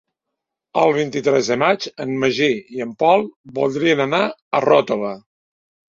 El vint-i-tres de maig en Magí i en Pol voldrien anar a Ròtova.